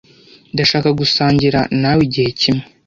Ndashaka gusangira nawe igihe kimwe.